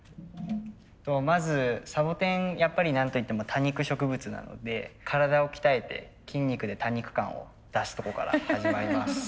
まずサボテンやっぱりなんといっても多肉植物なので体を鍛えて筋肉で多肉感を出すとこから始まります。